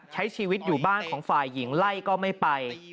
ใช้ชีวิตอยู่บ้านของฝ่ายหญิงไล่ก็ไม่ไป